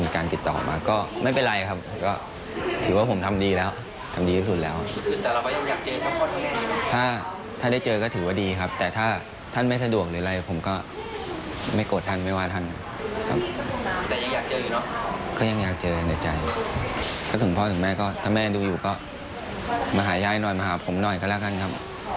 ก็มาหายายหน่อยมาหาผมหน่อยก็แล้วกันครับ